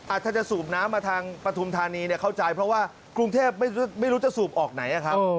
อาจจะสูบน้ำมาทางประทุมธานีเข้าใจเพราะว่ากรุงเทพฯไม่รู้จะสูบออกไหนอ่ะครับ